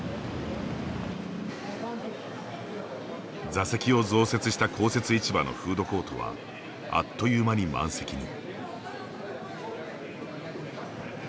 座席を増設した公設市場のフードコートはあっという間に満席に。